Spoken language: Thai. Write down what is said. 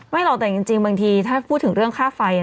หรอกแต่จริงบางทีถ้าพูดถึงเรื่องค่าไฟ